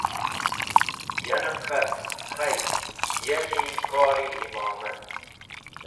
Yanem k̃hat, khay, yemi kor-e Imomat.